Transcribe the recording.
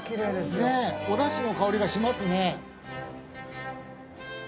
おだしの香りがしますね。